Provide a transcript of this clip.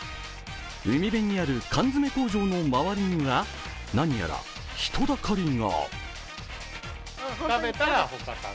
海辺にある缶詰工場の周りには何やら人だかりが。